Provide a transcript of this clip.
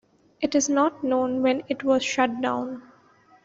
It is not known when it was shut down.